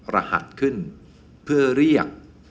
รหัสขึ้นเพื่อเรียก